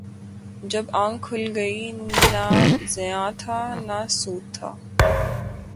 جب آنکھ کھل گئی، نہ زیاں تھا نہ سود تھا